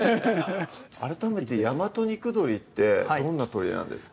改めて大和肉鶏ってどんな鶏なんですか？